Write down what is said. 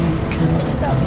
kita berumah lagi